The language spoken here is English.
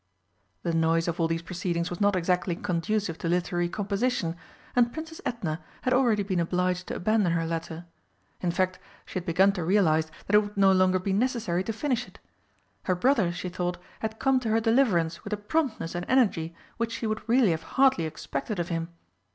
The noise of all these proceedings was not exactly conducive to literary composition, and Princess Edna had already been obliged to abandon her letter. In fact she had begun to realise that it would no longer be necessary to finish it. Her brother, she thought, had come to her deliverance with a promptness and energy which she would really have hardly expected of him.